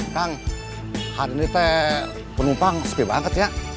kang hari ini penumpang sepi banget ya